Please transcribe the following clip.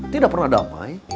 tidak pernah damai